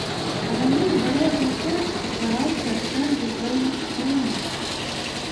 Раней дарожны фонд утвараўся з шэрагу пэўных крыніц.